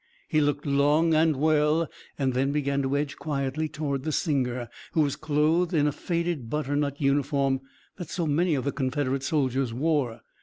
He looked long and well and then began to edge quietly toward the singer, who was clothed in the faded butternut uniform that so many of the Confederate soldiers wore.